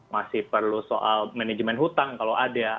masih perlu soal manajemen hutang kalau ada